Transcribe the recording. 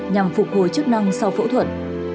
nhằm phục hồi chức năng sau phẫu thuật